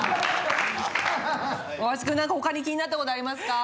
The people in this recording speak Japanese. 大橋君何か他に気になったことありますか？